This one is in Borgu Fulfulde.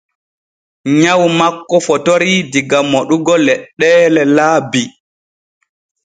Nyaw makko fotorii diga moɗugo leɗɗeelee laabi.